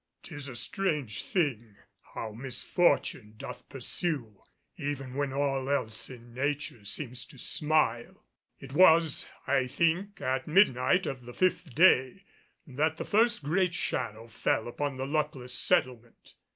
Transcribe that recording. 'Tis a strange thing how misfortune doth pursue even when all else in nature seems to smile. It was, I think, at midnight of the fifth day that the first great shadow fell upon the luckless settlement.